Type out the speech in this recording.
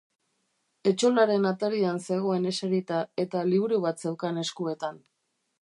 Etxolaren atarian zegoen eserita, eta liburu bat zeukan eskuetan.